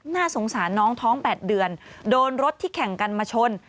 น่าสงสารน้องท้อง๘เดือนโดนรถที่แข่งกันมาชน